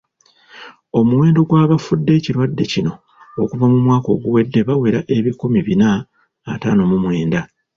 Omuwendo gw’abafudde ekirwadde kino okuva omwaka oguwedde bawera ebikumi bina ataano mu mwenda.